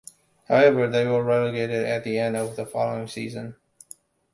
However, they were relegated at the end of the following season.